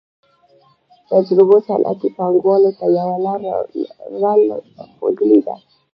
تجربو صنعتي پانګوالو ته یوه لار ښودلې ده